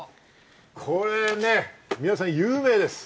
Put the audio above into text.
これね、皆さん、有名です。